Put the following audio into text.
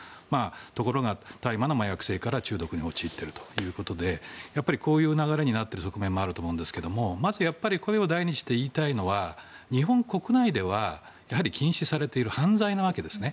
ところが大麻の麻薬性から中毒に陥っているということでこういう流れになっている側面もあると思いますが声を大にして言いたいのは日本国内では禁止されている犯罪なわけですね。